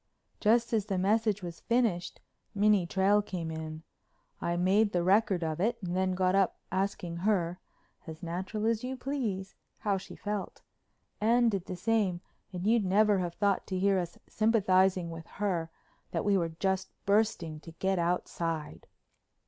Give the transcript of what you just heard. Just as the message was finished Minnie Trail came in. I made the record of it and then got up asking her, as natural as you please, how she felt. Anne did the same and you'd never have thought to hear us sympathizing with her that we were just bursting to get outside.